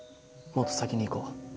もっと先に行こう。